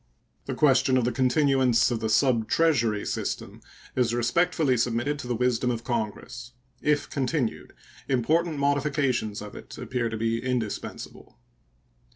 The question of the continuance of the subtreasury system is respectfully submitted to the wisdom of Congress. If continued, important modifications of it appear to be indispensable.